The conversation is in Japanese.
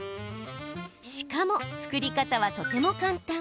しかも、作り方はとても簡単。